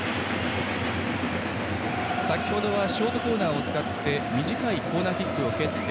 先程はショートコーナーを使って短いコーナーキックを蹴って。